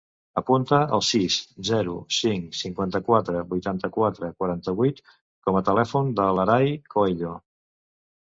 Apunta el sis, zero, cinc, cinquanta-quatre, vuitanta-quatre, quaranta-vuit com a telèfon de l'Aray Coelho.